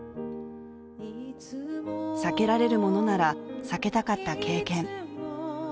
避けられるものなら、避けたかった経験。